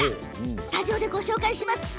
スタジオでご紹介します。